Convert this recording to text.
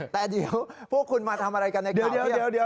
แต่เดี๋ยวพวกคุณมาทำอะไรกันในคืนเดียว